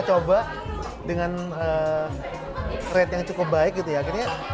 jangan lupa juga eee